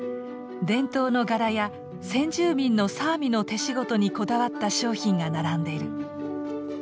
伝統の柄や先住民のサーミの手仕事にこだわった商品が並んでる。